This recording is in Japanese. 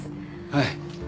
はい